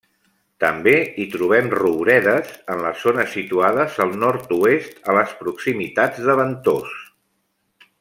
També hi trobem rouredes en les zones situades al nord-oest, a les proximitats de Ventós.